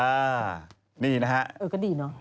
อ่านี่นะฮะเออก็ดีเนอะ